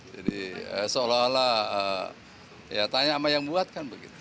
jadi seolah olah ya tanya sama yang buat kan begitu